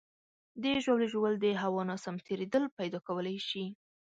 د ژاولې ژوول د هوا ناسم تېرېدل پیدا کولی شي.